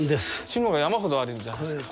志野が山ほどあるじゃないすか。